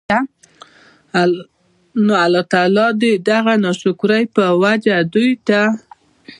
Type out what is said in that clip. نو الله تعالی د دغه ناشکرۍ په وجه دوی ته